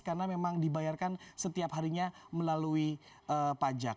karena memang dibayarkan setiap harinya melalui pajak